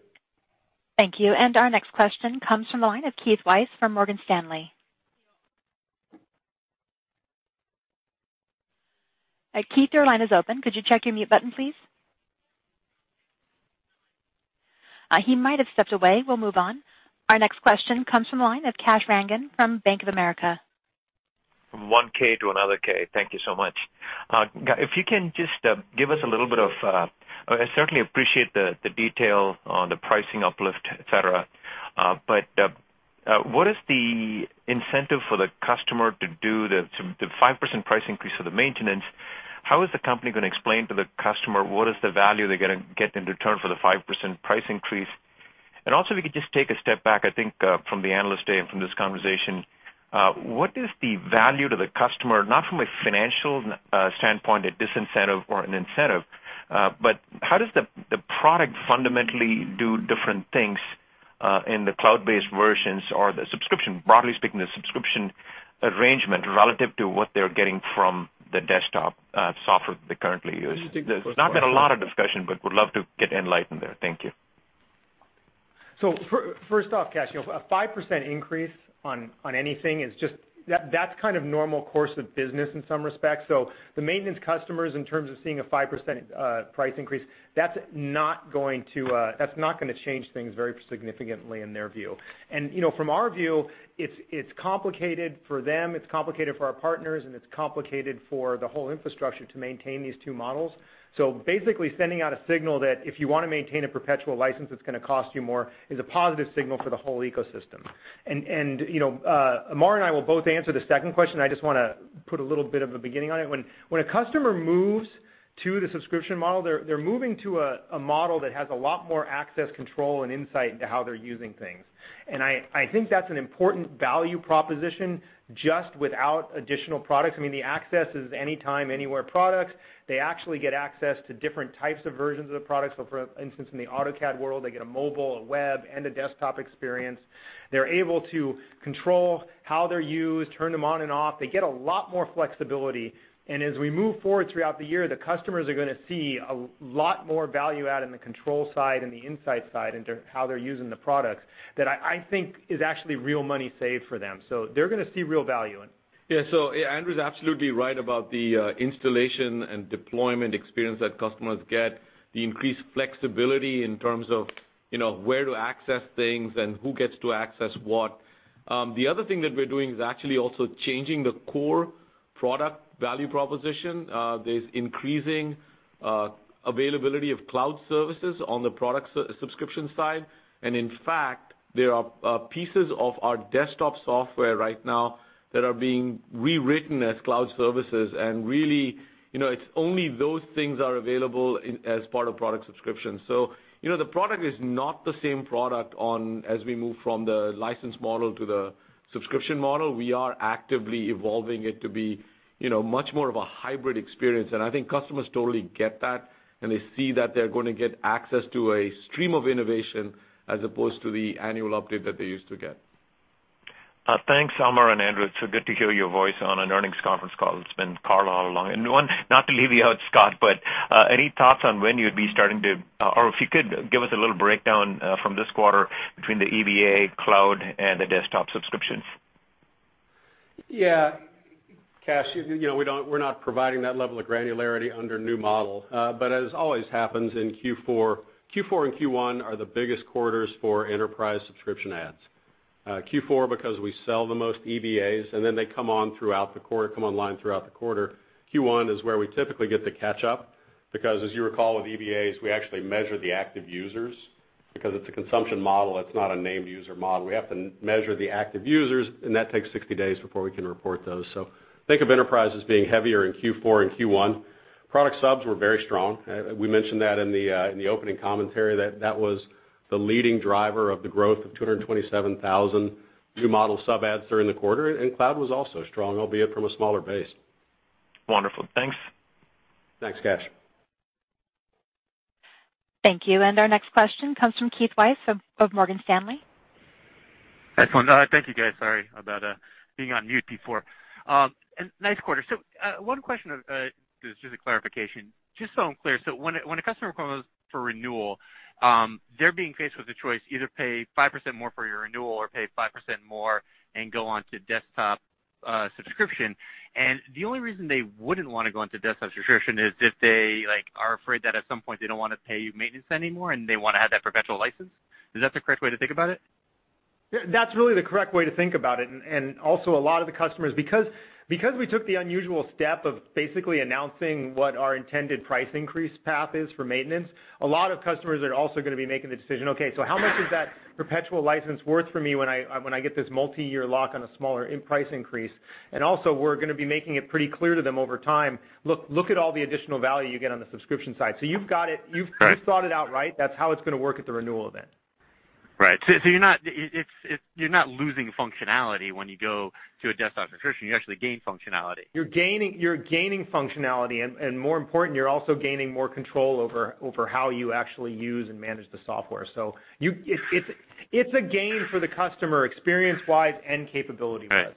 Thank you. Our next question comes from the line of Keith Weiss from Morgan Stanley. Keith, your line is open. Could you check your mute button, please? He might have stepped away. We will move on. Our next question comes from the line of Kash Rangan from Bank of America. From one K to another K. Thank you so much. I certainly appreciate the detail on the pricing uplift, et cetera. What is the incentive for the customer to do the 5% price increase for the maintenance? How is the company going to explain to the customer what is the value they are going to get in return for the 5% price increase? Also, if we could just take a step back, I think, from the analyst day and from this conversation, what is the value to the customer, not from a financial standpoint, a disincentive or an incentive, but how does the product fundamentally do different things in the cloud-based versions or the subscription, broadly speaking, the subscription arrangement relative to what they are getting from the desktop software that they currently use? There has not been a lot of discussion, but would love to get enlightened there. Thank you. First off, Kash, a 5% increase on anything, that is kind of normal course of business in some respects. The maintenance customers, in terms of seeing a 5% price increase, that is not going to change things very significantly in their view. From our view, it is complicated for them, it is complicated for our partners, and it is complicated for the whole infrastructure to maintain these two models. Basically sending out a signal that if you want to maintain a perpetual license, it is going to cost you more, is a positive signal for the whole ecosystem. Amar and I will both answer the second question. I just want to put a little bit of a beginning on it. When a customer moves to the subscription model, they are moving to a model that has a lot more access, control, and insight into how they are using things. I think that is an important value proposition just without additional products. I mean, the access is anytime, anywhere products. They actually get access to different types of versions of the products. For instance, in the AutoCAD world, they get a mobile, a web, and a desktop experience. They are able to control how they are used, turn them on and off. They get a lot more flexibility. As we move forward throughout the year, the customers are going to see a lot more value add in the control side and the insight side into how they are using the products that I think is actually real money saved for them. They are going to see real value in it. Yeah. Andrew's absolutely right about the installation and deployment experience that customers get, the increased flexibility in terms of where to access things and who gets to access what. The other thing that we're doing is actually also changing the core product value proposition. There's increasing availability of cloud services on the product subscription side. In fact, there are pieces of our desktop software right now that are being rewritten as cloud services. Really, it's only those things are available as part of product subscription. The product is not the same product as we move from the license model to the subscription model. We are actively evolving it to be much more of a hybrid experience. I think customers totally get that, and they see that they're going to get access to a stream of innovation as opposed to the annual update that they used to get. Thanks, Amar and Andrew. It's so good to hear your voice on an earnings conference call. It's been Carl all along. One, not to leave you out, Scott, but any thoughts on when you'd be or if you could give us a little breakdown from this quarter between the EBA, cloud, and the desktop subscriptions? Yeah. Kash, we're not providing that level of granularity under new model. As always happens in Q4 and Q1 are the biggest quarters for enterprise subscription ads. Q4 because we sell the most EBAs, and then they come online throughout the quarter. Q1 is where we typically get the catch-up because as you recall with EBAs, we actually measure the active users because it's a consumption model, it's not a named user model. We have to measure the active users, and that takes 60 days before we can report those. Think of enterprise as being heavier in Q4 and Q1. Product subs were very strong. We mentioned that in the opening commentary, that was the leading driver of the growth of 227,000 new model sub ads during the quarter. Cloud was also strong, albeit from a smaller base. Wonderful. Thanks. Thanks, Kash. Thank you. Our next question comes from Keith Weiss of Morgan Stanley. Excellent. Thank you, guys. Sorry about being on mute before. Nice quarter. One question, this is just a clarification, just so I'm clear. When a customer comes for renewal, they're being faced with a choice, either pay 5% more for your renewal or pay 5% more and go onto desktop subscription. The only reason they wouldn't want to go onto desktop subscription is if they are afraid that at some point they don't want to pay you maintenance anymore and they want to have that perpetual license. Is that the correct way to think about it? That's really the correct way to think about it. Also a lot of the customers, because we took the unusual step of basically announcing what our intended price increase path is for maintenance, a lot of customers are also going to be making the decision, okay, how much is that perpetual license worth for me when I get this multi-year lock on a smaller price increase? Also, we're going to be making it pretty clear to them over time, look at all the additional value you get on the subscription side. You've got it. Correct. You've thought it out right. That's how it's going to work at the renewal then. Right. You're not losing functionality when you go to a desktop subscription. You actually gain functionality. You're gaining functionality and more important, you're also gaining more control over how you actually use and manage the software. It's a gain for the customer experience-wise and capability-wise.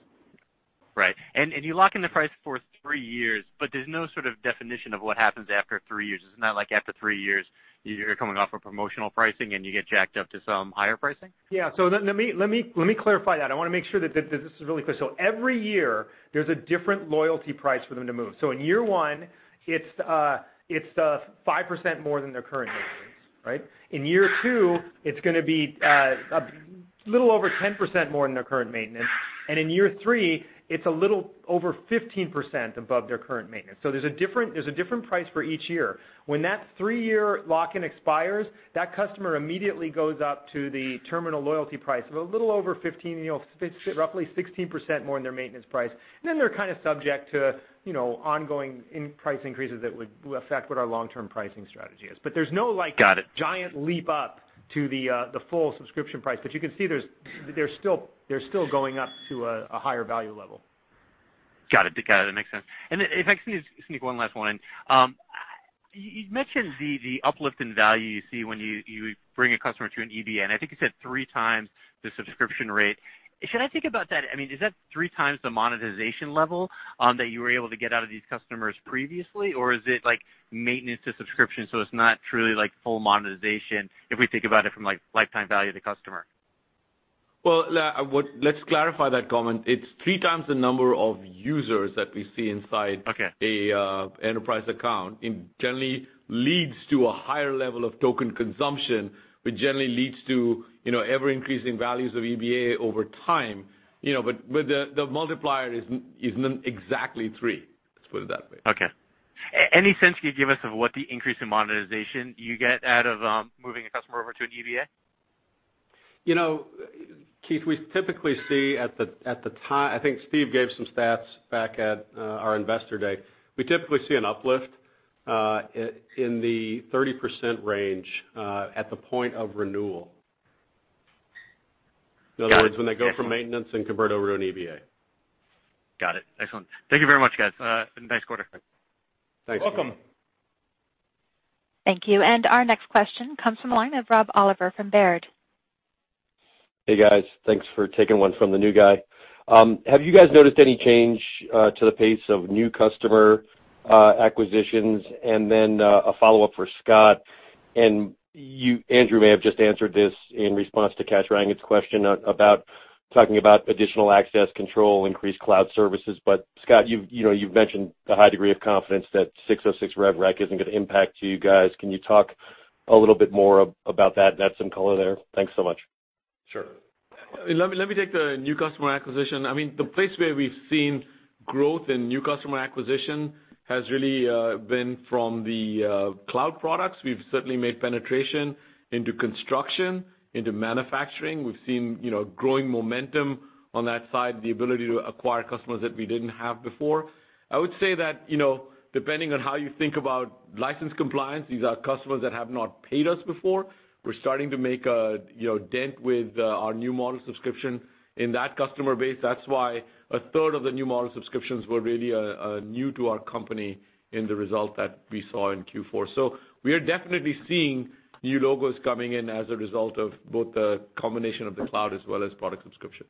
Right. You lock in the price for three years, but there's no sort of definition of what happens after three years. It's not like after three years, you're coming off of promotional pricing and you get jacked up to some higher pricing? Yeah. Let me clarify that. I want to make sure that this is really clear. Every year there's a different loyalty price for them to move. In year one, it's 5% more than their current maintenance, right? In year two, it's going to be a little over 10% more than their current maintenance. In year three, it's a little over 15% above their current maintenance. There's a different price for each year. When that three-year lock-in expires, that customer immediately goes up to the terminal loyalty price of a little over 15, roughly 16% more than their maintenance price. Then they're kind of subject to ongoing price increases that would affect what our long-term pricing strategy is. There's no- Got it giant leap up to the full subscription price. You can see they're still going up to a higher value level. Got it. That makes sense. If I can sneak one last one in. You mentioned the uplift in value you see when you bring a customer to an EBA, and I think you said three times the subscription rate. Should I think about that, I mean, is that three times the monetization level that you were able to get out of these customers previously? Or is it like maintenance to subscription, so it's not truly like full monetization if we think about it from lifetime value to customer? Well, let's clarify that comment. It's three times the number of users that we see inside- Okay a enterprise account, it generally leads to a higher level of token consumption, which generally leads to ever-increasing values of EBA over time. The multiplier isn't exactly three, let's put it that way. Okay. Any sense you could give us of what the increase in monetization you get out of moving a customer over to an EBA? Keith, I think Steve gave some stats back at our Investor Day. We typically see an uplift, in the 30% range, at the point of renewal. Got it. Excellent. In other words, when they go from maintenance and convert over to an EBA. Got it. Excellent. Thank you very much, guys. Nice quarter. Thanks. Welcome. Thank you. Our next question comes from the line of Rob Oliver from Baird. Hey, guys. Thanks for taking one from the new guy. Have you guys noticed any change to the pace of new customer acquisitions? A follow-up for Scott, Andrew may have just answered this in response to Kash Rangan's question, talking about additional access control, increased cloud services. Scott, you've mentioned the high degree of confidence that 606 rev rec isn't going to impact you guys. Can you talk a little bit more about that? Add some color there. Thanks so much. Sure. Let me take the new customer acquisition. The place where we've seen growth in new customer acquisition has really been from the cloud products. We've certainly made penetration into construction, into manufacturing. We've seen growing momentum on that side, the ability to acquire customers that we didn't have before. I would say that, depending on how you think about license compliance, these are customers that have not paid us before. We're starting to make a dent with our new model subscription in that customer base. That's why a third of the new model subscriptions were really new to our company in the result that we saw in Q4. We are definitely seeing new logos coming in as a result of both the combination of the cloud as well as product subscription.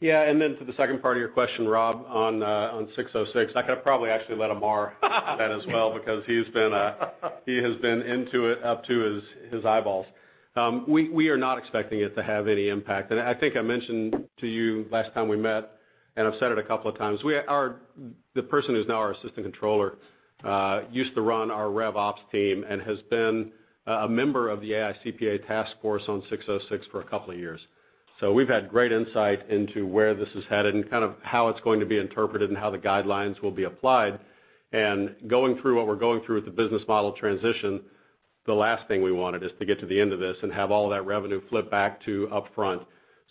Yeah, to the second part of your question, Rob, on 606, I could probably actually let Amar answer that as well because he has been into it up to his eyeballs. We are not expecting it to have any impact. I think I mentioned to you last time we met, I've said it a couple of times, the person who's now our assistant controller, used to run our RevOps team and has been a member of the AICPA task force on 606 for a couple of years. We've had great insight into where this is headed and kind of how it's going to be interpreted and how the guidelines will be applied. Going through what we're going through with the business model transition, the last thing we wanted is to get to the end of this and have all of that revenue flip back to upfront.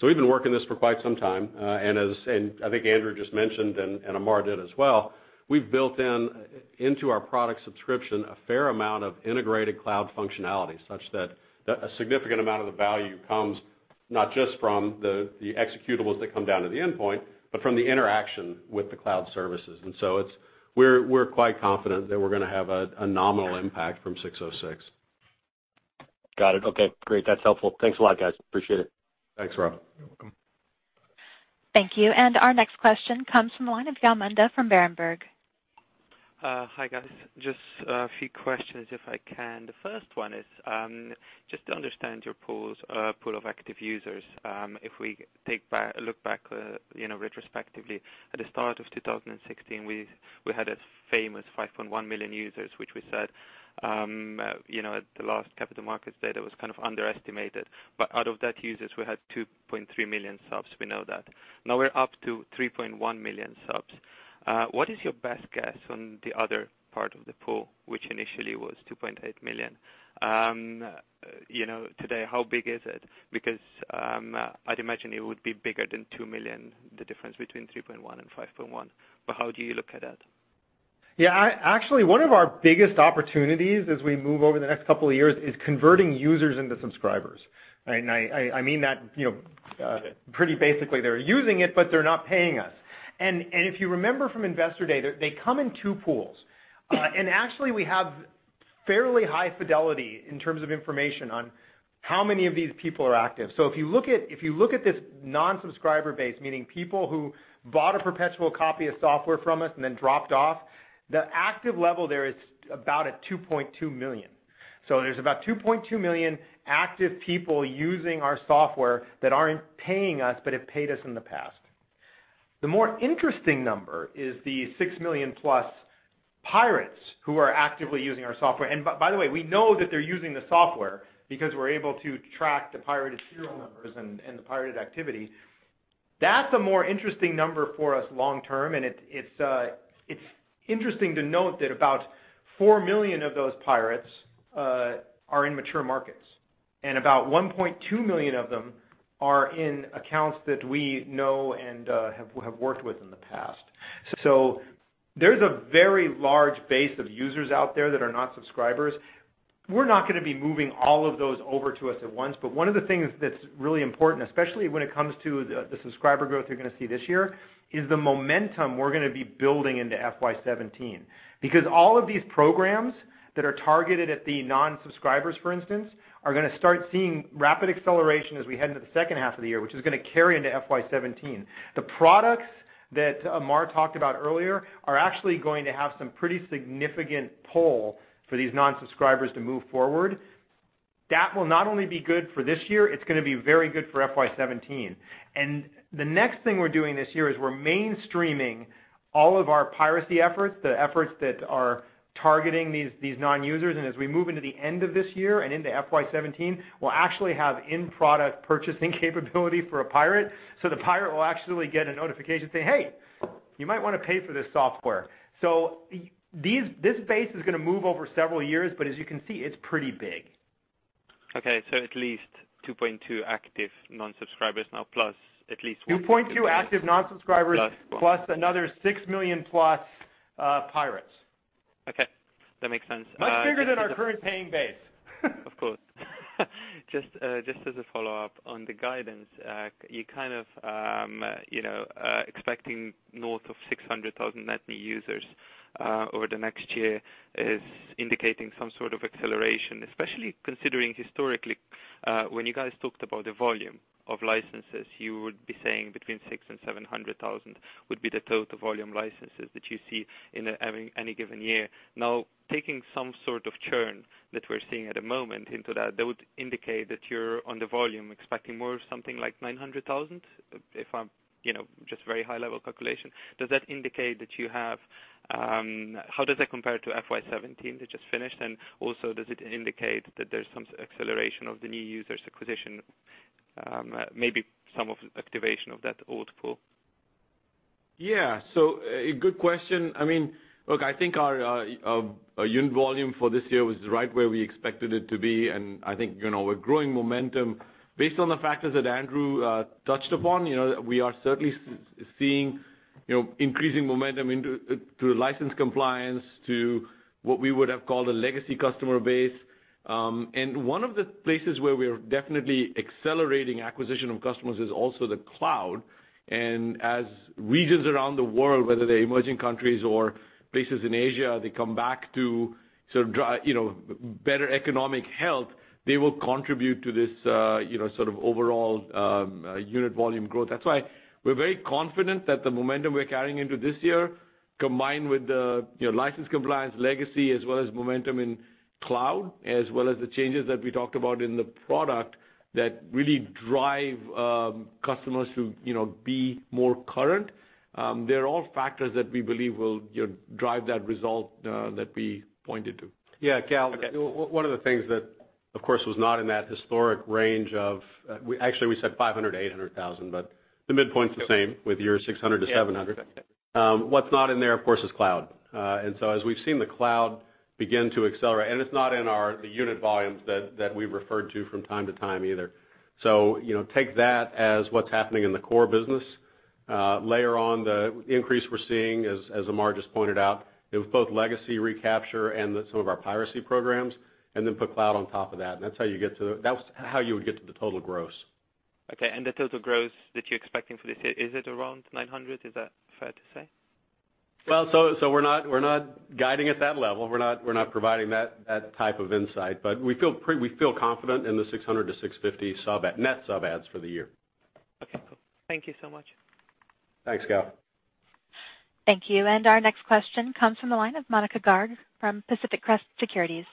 We've been working this for quite some time. I think Andrew just mentioned, and Amar did as well, we've built into our product subscription a fair amount of integrated cloud functionality, such that a significant amount of the value comes not just from the executables that come down to the endpoint, but from the interaction with the cloud services. We're quite confident that we're going to have a nominal impact from 606. Got it. Okay, great. That's helpful. Thanks a lot, guys. Appreciate it. Thanks, Rob. You're welcome. Thank you. Our next question comes from the line of Gal Manda from Berenberg. Hi, guys. Just a few questions if I can. The first one is, just to understand your pool of active users, if we look back retrospectively at the start of 2016, we had a famous 5.1 million users, which we said, at the last Capital Markets Day, that was kind of underestimated. Out of that users, we had 2.3 million subs, we know that. Now we're up to 3.1 million subs. What is your best guess on the other part of the pool, which initially was 2.8 million? Today, how big is it? I'd imagine it would be bigger than 2 million, the difference between 3.1 and 5.1. How do you look at that? Yeah, actually, one of our biggest opportunities as we move over the next couple of years is converting users into subscribers. I mean that pretty basically, they're using it, but they're not paying us. If you remember from Investor Day, they come in two pools. Actually, we have fairly high fidelity in terms of information on how many of these people are active. If you look at this non-subscriber base, meaning people who bought a perpetual copy of software from us and then dropped off, the active level there is about at 2.2 million. There's about 2.2 million active people using our software that aren't paying us, but have paid us in the past. The more interesting number is the 6 million plus pirates who are actively using our software. By the way, we know that they're using the software because we're able to track the pirated serial numbers and the pirated activity. That's a more interesting number for us long term, and it's interesting to note that about 4 million of those pirates are in mature markets, and about 1.2 million of them are in accounts that we know and have worked with in the past. There's a very large base of users out there that are not subscribers. We're not going to be moving all of those over to us at once, but one of the things that's really important, especially when it comes to the subscriber growth you're going to see this year, is the momentum we're going to be building into FY 2017. All of these programs that are targeted at the non-subscribers, for instance, are going to start seeing rapid acceleration as we head into the second half of the year, which is going to carry into FY 2017. The products. That Amar talked about earlier are actually going to have some pretty significant pull for these non-subscribers to move forward. That will not only be good for this year, it's going to be very good for FY 2017. The next thing we're doing this year is we're mainstreaming all of our piracy efforts, the efforts that are targeting these non-users. As we move into the end of this year and into FY 2017, we'll actually have in-product purchasing capability for a pirate. The pirate will actually get a notification say, "Hey, you might want to pay for this software." This base is going to move over several years, but as you can see, it's pretty big. At least 2.2 active non-subscribers now plus at least. 2.2 active non-subscribers plus another six million plus pirates. Okay, that makes sense. Much bigger than our current paying base. Of course. Just as a follow-up on the guidance, you kind of expecting north of 600,000 net new users over the next year is indicating some sort of acceleration, especially considering historically, when you guys talked about the volume of licenses, you would be saying between six and 700,000 would be the total volume licenses that you see in any given year. Taking some sort of churn that we're seeing at the moment into that would indicate that you're on the volume expecting more something like 900,000, if I'm just very high-level calculation. How does that compare to FY 2017 that just finished? Also, does it indicate that there's some acceleration of the new users acquisition, maybe some of activation of that old pool? Yeah. A good question. Look, I think our unit volume for this year was right where we expected it to be, I think we're growing momentum based on the factors that Andrew touched upon. We are certainly seeing increasing momentum through license compliance to what we would have called a legacy customer base. One of the places where we're definitely accelerating acquisition of customers is also the cloud. As regions around the world, whether they're emerging countries or places in Asia, they come back to better economic health, they will contribute to this sort of overall unit volume growth. That's why we're very confident that the momentum we're carrying into this year, combined with the license compliance legacy, as well as momentum in cloud, as well as the changes that we talked about in the product that really drive customers to be more current. They're all factors that we believe will drive that result that we pointed to. Yeah, Gal, one of the things that, of course, was not in that historic range of-- actually, we said 500,000 to 800,000, but the midpoint's the same with your 600,000 to 700,000. What's not in there, of course, is cloud. As we've seen the cloud begin to accelerate, and it's not in the unit volumes that we referred to from time to time either. Take that as what's happening in the core business, layer on the increase we're seeing, as Amar just pointed out. It was both legacy recapture and some of our piracy programs, put cloud on top of that, and that's how you would get to the total gross. Okay. The total gross that you're expecting for this year, is it around 900,000? Is that fair to say? We're not guiding at that level. We're not providing that type of insight. We feel confident in the 600,000 to 650,000 net sub adds for the year. Okay, cool. Thank you so much. Thanks, Cal. Thank you. Our next question comes from the line of Monika Garg from Pacific Crest Securities.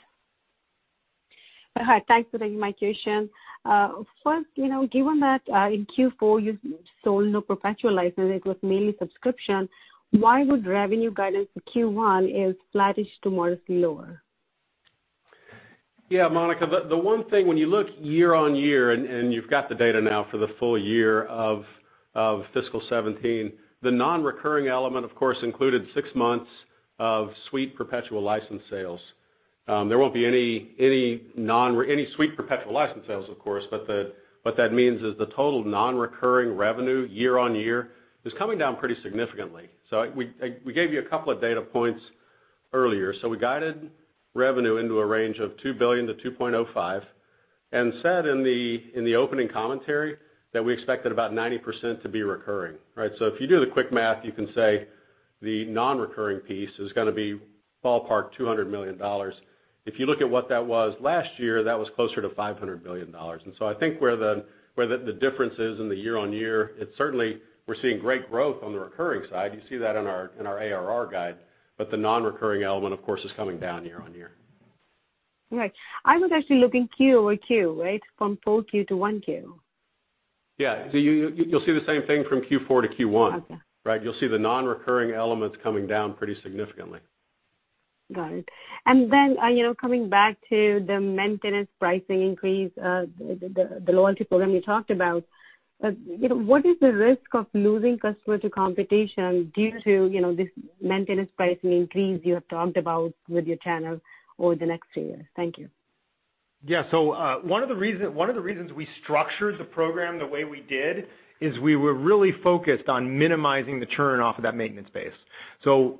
Hi. Thanks for taking my question. First, given that in Q4, you sold no perpetual licenses, it was mainly subscription, why would revenue guidance for Q1 is flattish to modestly lower? Monika, the one thing when you look year-on-year, you've got the data now for the full year of fiscal 2017, the non-recurring element, of course, included six months of suite perpetual license sales. There won't be any suite perpetual license sales, of course, what that means is the total non-recurring revenue year-on-year is coming down pretty significantly. We gave you a couple of data points earlier. We guided revenue into a range of $2 billion-$2.05 billion, and said in the opening commentary that we expected about 90% to be recurring. Right? If you do the quick math, you can say the non-recurring piece is going to be ballpark $200 million. If you look at what that was last year, that was closer to $500 million. I think where the difference is in the year-on-year, certainly we're seeing great growth on the recurring side. You see that in our ARR guide. The non-recurring element, of course, is coming down year-on-year. Right. I was actually looking Q-over-Q, right, from full Q to Q1. You'll see the same thing from Q4 to Q1. Okay. Right? You'll see the non-recurring elements coming down pretty significantly. Got it. Then, coming back to the maintenance pricing increase, the loyalty program you talked about, what is the risk of losing customer to competition due to this maintenance pricing increase you have talked about with your channels over the next three years? Thank you. Yeah. One of the reasons we structured the program the way we did is we were really focused on minimizing the churn off of that maintenance base.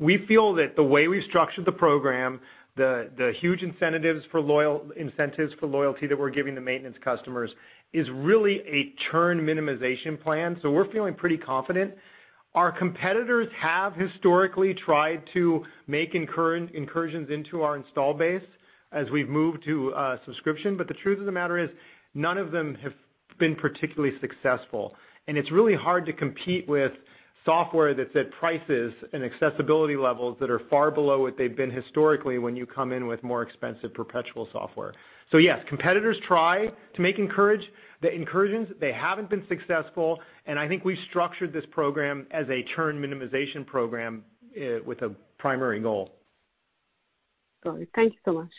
We feel that the way we structured the program, the huge incentives for loyalty that we're giving the maintenance customers is really a churn minimization plan. We're feeling pretty confident. Our competitors have historically tried to make incursions into our install base as we've moved to subscription. The truth of the matter is, none of them have been particularly successful, and it's really hard to compete with software that's at prices and accessibility levels that are far below what they've been historically when you come in with more expensive perpetual software. Yes, competitors try to make incursions. They haven't been successful, and I think we've structured this program as a churn minimization program with a primary goal. Got it. Thank you so much.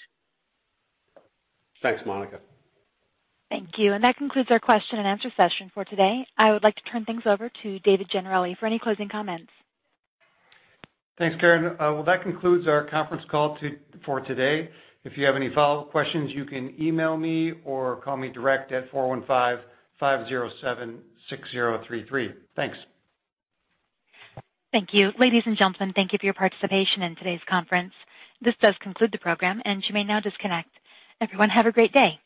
Thanks, Monika. Thank you. That concludes our question and answer session for today. I would like to turn things over to Dave Gennarelli for any closing comments. Thanks, Karen. That concludes our conference call for today. If you have any follow-up questions, you can email me or call me direct at 415-507-6033. Thanks. Thank you. Ladies and gentlemen, thank you for your participation in today's conference. This does conclude the program, and you may now disconnect. Everyone, have a great day.